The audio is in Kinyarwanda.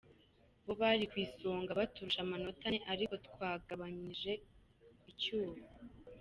"Bo bari kw'isonga, baturusha amanota ane, ariko twagabanije icuho.